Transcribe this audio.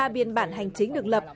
hai mươi ba biên bản hành chính được lập